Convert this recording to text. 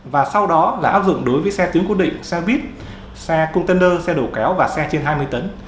và sau đó là áp dụng đối với xe tuyến cố định xe buýt xe container xe đầu kéo và xe trên hai mươi tấn